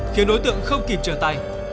khiến đối tượng không kịp trở tay